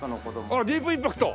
あらディープインパクト！